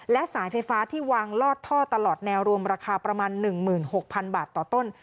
และสายไฟฟ้าที่วางลอดท่อตลอดแนวรวมราคาประมาณ๑๖๐๐๐บาทต่อต้น